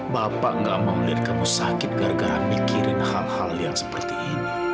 bapak gak mau melihat kamu sakit gara gara mikirin hal hal yang seperti ini